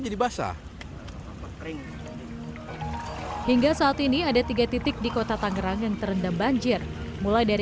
jadi basah kering hingga saat ini ada tiga titik di kota tangerang yang terendam banjir mulai dari